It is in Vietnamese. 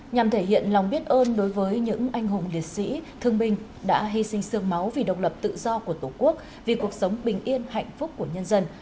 nhằm thể hiện lòng biết ơn đối với những anh hùng liệt sĩ thương binh đã hy sinh sương máu vì độc lập tự do của tổ quốc vì cuộc sống bình yên hạnh phúc của nhân dân